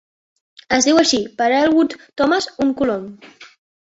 Es diu així per Elwood Thomas, un colon.